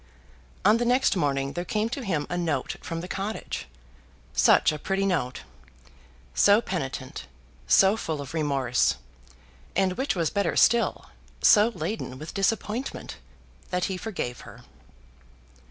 On the next morning there came to him a note from the cottage, such a pretty note! so penitent, so full of remorse, and, which was better still, so laden with disappointment, that he forgave her.